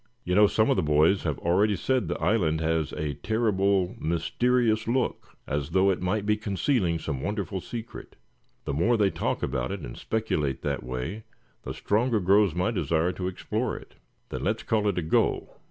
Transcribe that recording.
"You know, some of the boys have already said the island had a terrible mysterious look, as though it might be concealing some wonderful secret. The more they talk about it, and speculate that way, the stronger grows my desire to explore it." "Then let's call it a go.